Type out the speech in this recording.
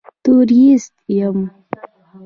تورېست یم.